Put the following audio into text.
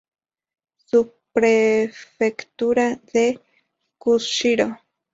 Subprefectura de Kushiro